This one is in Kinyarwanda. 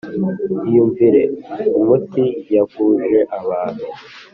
iyumvire umuti yavuje abantu.